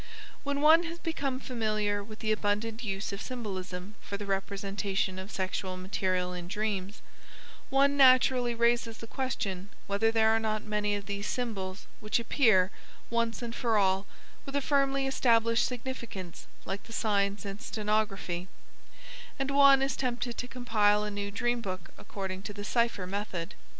When one has become familiar with the abundant use of symbolism for the representation of sexual material in dreams, one naturally raises the question whether there are not many of these symbols which appear once and for all with a firmly established significance like the signs in stenography; and one is tempted to compile a new dream book according to the cipher method.